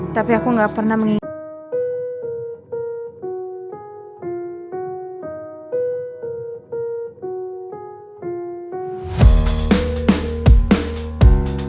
tapi aku gak pernah mengingin